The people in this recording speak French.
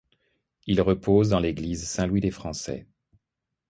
Il repose dans l'église Saint-Louis-des-Français.